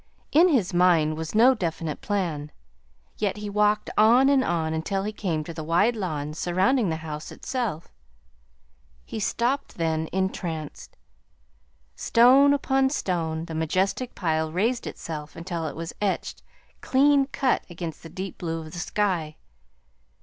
In his mind was no definite plan; yet he walked on and on, until he came to the wide lawns surrounding the house itself. He stopped then, entranced. Stone upon stone the majestic pile raised itself until it was etched, clean cut, against the deep blue of the sky.